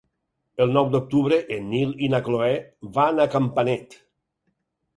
El nou d'octubre en Nil i na Cloè van a Campanet.